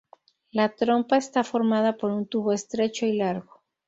La trompa está formada por un tubo estrecho y largo.